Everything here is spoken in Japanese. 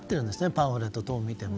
パンフレットなどを見ても。